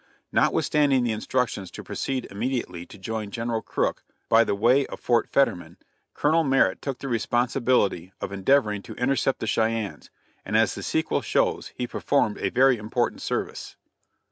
Notwithstanding the instructions to proceed immediately to join General Crook by the Way of Fort Fetterman, Colonel Merritt took the responsibility of endeavoring to intercept the Cheyennes, and as the sequel shows he performed a very important service.